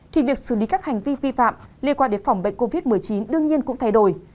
thì việc xử lý các hành vi vi phạm liên quan đến phòng bệnh covid một mươi chín đương nhiên cũng thay đổi